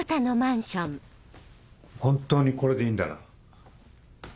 本当にこれでいいんだな？